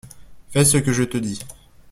Fais ce que je te dis.